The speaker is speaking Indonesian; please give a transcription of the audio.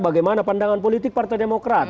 bagaimana pandangan politik partai demokrat